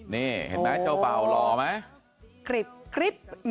นี่เผ่าหล่อไหม